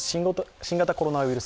新型コロナウイルス